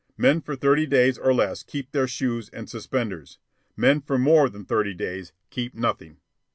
Men for thirty days or less keep their shoes and suspenders. Men for more than thirty days keep nothing."